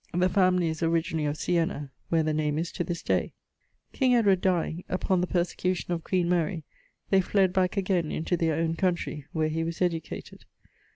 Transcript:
The family is originally of Siena, where the name is to this day. King Edward dying, upon the persecution of queen Mary, they fled back again into their owne countrey, where he was educated.